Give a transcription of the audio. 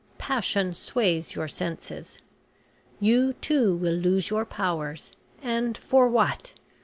Passion sways your senses. You too will lose your powers and for what?